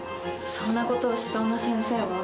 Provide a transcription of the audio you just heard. そんな事をしそうな先生は。